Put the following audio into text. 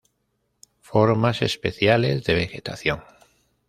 Formas especiales de vegetación.